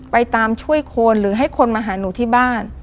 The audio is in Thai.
ไปตามช่วยคนหรือให้คนมาหาหนูที่บ้าน